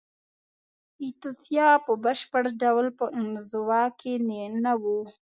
ایتوپیا په بشپړ ډول په انزوا کې نه وه.